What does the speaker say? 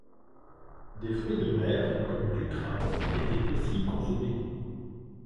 Des fruits de mer, comme du crabe étaient aussi consommés.